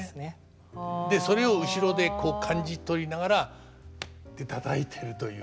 それを後ろでこう感じ取りながらってたたいてるという。